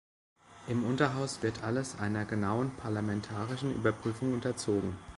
Im Unterhaus wird alles einer genauen parlamentarischen Überprüfung unterzogen.